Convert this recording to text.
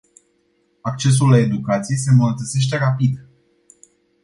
Accesul la educație se îmbunătățește rapid.